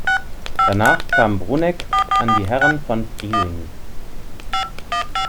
Danach kam Brunegg an die Herren von Friedingen.